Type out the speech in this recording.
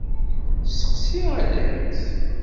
Steqsi Alex.